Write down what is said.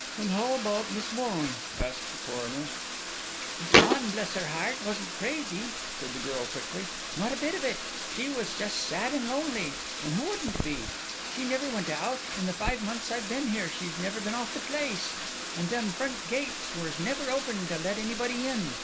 "And how about Miss Vaughan?" asked the coroner. "Miss Vaughan, bless her heart, wasn't crazy," said the girl quickly; "not a bit of it. She was just sad and lonely, as who wouldn't be! She never went out in the five months I've been here, she's never been off the place; and them front gates was never opened to let anybody in.